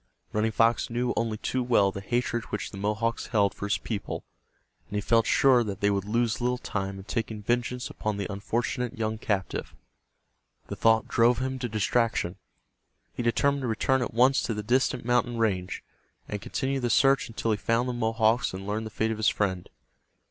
Running Fox knew only too well the hatred which the Mohawks held for his people, and he felt sure that they would lose little time in taking vengeance upon the unfortunate young captive. The thought drove him to distraction. He determined to return at once to the distant mountain range, and continue the search until he found the Mohawks and learned the fate of his friend.